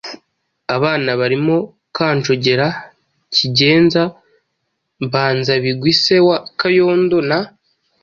abana barimo Kanjogera, Cyigenza, Mbanzabigwi se wa Kayondo na